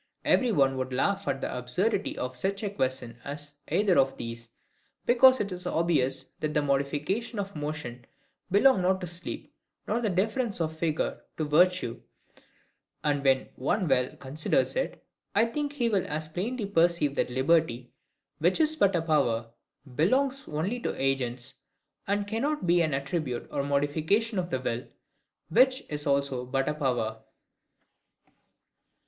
Every one would laugh at the absurdity of such a question as either of these: because it is obvious that the modifications of motion belong not to sleep, nor the difference of figure to virtue; and when any one well considers it, I think he will as plainly perceive that liberty, which is but a power, belongs only to Agents, and cannot be an attribute or modification of the will, which is also but a power.